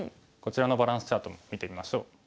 こちらのバランスチャートも見てみましょう。